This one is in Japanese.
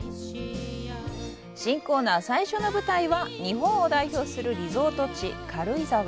新コーナー最初の舞台は日本を代表するリゾート地、軽井沢。